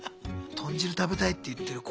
豚汁食べたいって言ってる。